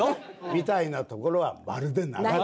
みたいなところはまるでなかった。